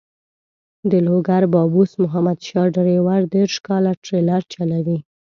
د لوګر بابوس محمد شاه ډریور دېرش کاله ټریلر چلوي.